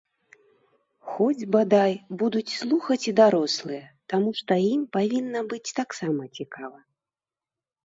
Хоць, бадай, будуць слухаць і дарослыя, таму што ім павінна быць таксама цікава.